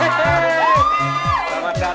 di ibu boleh murder